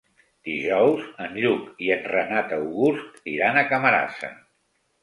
Dijous en Lluc i en Renat August iran a Camarasa.